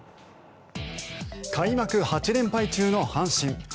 開幕８連敗中の阪神。